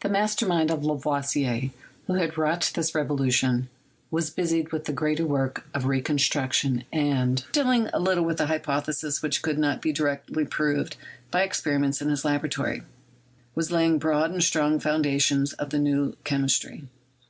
The master mind of Lavoisier, who had wrought this revolution, was busied with the greater work of reconstruction and, dealing little with hypotheses which could not be directly proved by experiments in his laboratory, was laying broad and strong the foundations of the New Chemistry.